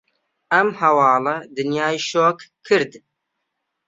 ئەم هەواڵە دنیای شۆک کرد.